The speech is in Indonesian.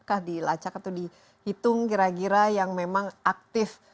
kah dilacak atau dihitung kira kira yang memang aktif